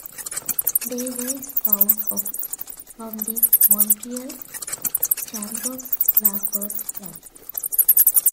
They were spun off from the Montreal Shamrocks lacrosse club.